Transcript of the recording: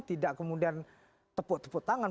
tidak kemudian tepuk tepuk tangan